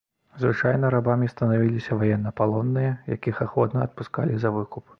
Звычайна рабамі станавіліся ваеннапалонныя, якіх ахвотна адпускалі за выкуп.